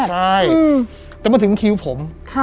ก็ถึงคิวผม